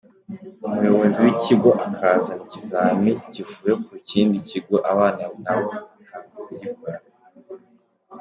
Umuyobozi w’ikigo akazana ikizami kivuye ku kindi kigo abana nabo bakanga kugikora.